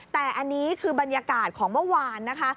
แต่อันนี้คือบรรยากาศของเมื่อวานนะคะ